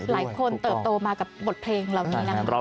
เติบโตมากับบทเพลงเหล่านี้นะครับ